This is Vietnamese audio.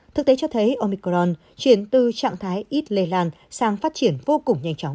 thực tế cho thấy omicron chuyển từ trạng thái ít lây lan sang phát triển vô cùng nhanh chóng